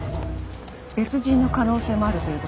別人の可能性もあるという事でしょうか？